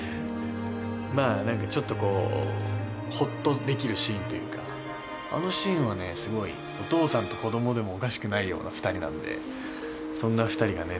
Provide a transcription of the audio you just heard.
まあ何かちょっとこうホッとできるシーンというかあのシーンはねすごいお父さんと子供でもおかしくないような２人なんでそんな２人がね